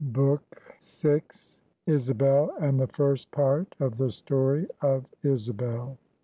BOOK VI. ISABEL, AND THE FIRST PART OF THE STORY OF ISABEL.